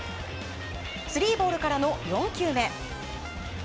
スリーボールからの４球目。